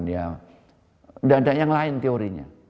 tidak ada yang lain teorinya